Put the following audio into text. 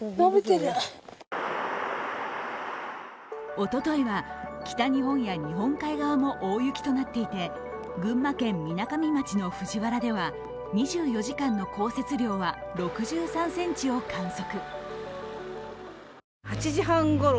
おとといは北日本や日本海側も大雪となっていて、群馬県みなかみ町の藤原では２４時間の降雪量は６３ｃｍを観測。